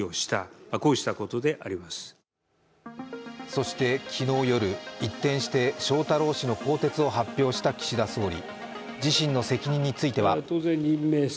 そして昨日夜、一転して翔太郎氏の更迭を発表した岸田総理。